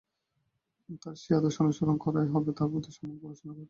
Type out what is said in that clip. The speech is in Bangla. তাঁর সেই আদর্শ অনুসরণ করাই হবে তাঁর প্রতি সম্মান প্রদর্শনের প্রকৃষ্ট পথ।